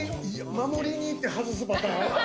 守りにいって外すパターン？